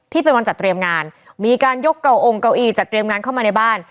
ที่เป็นวันจัดเตรียมงานมีการยกเก่าองค์เก่าอี้จัดเตรียมงานเข้ามาในบ้าน